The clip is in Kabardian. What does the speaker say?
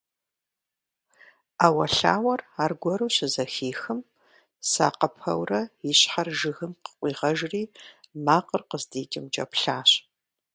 Ӏэуэлъауэр аргуэру щызэхихым, сакъыпэурэ и щхьэр жыгым къыкъуигъэжри макъыр къыздикӏымкӏэ плъащ.